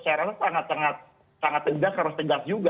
saya rasa sangat tegas harus tegas juga